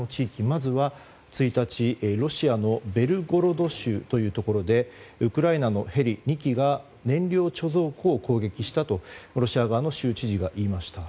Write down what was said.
まずは、１日ロシアのベルゴロド州というところでウクライナのヘリ２機が燃料貯蔵庫を攻撃したとロシア側の州知事が言いました。